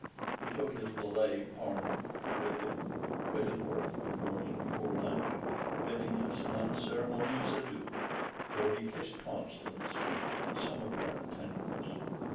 He took his valet Parnham with him, and quitted Worth one morning before lunch, bidding us an unceremonious adieu, though he kissed Constance with some apparent tenderness.